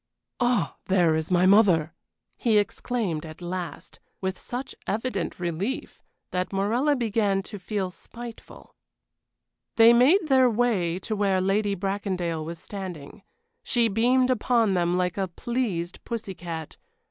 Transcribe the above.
"Ah, there is my mother!" he exclaimed, at last, with such evident relief that Morella began to feel spiteful. They made their way to where Lady Bracondale was standing. She beamed upon them like a pleased pussy cat.